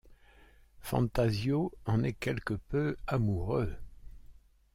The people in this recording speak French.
Fantasio en est quelque peu amoureux.